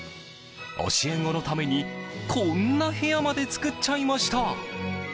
教え子のために、こんな部屋まで作っちゃいました。